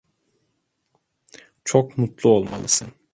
Çok mutlu olmalısın.